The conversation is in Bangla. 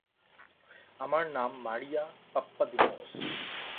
আমার নাম মারিয়া পাপ্পাদিমোস।